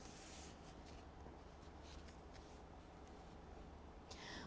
điều kiện của tùng